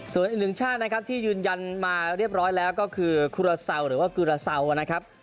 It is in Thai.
ส่วนอีกหนึ่งชาตินะครับที่ยืนยันมาเรียบร้อยแล้วก็คือคุราเซาหรือว่ากุราเซานะครับ